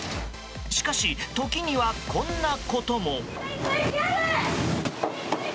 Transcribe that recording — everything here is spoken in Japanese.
しかし時にはこんなことも。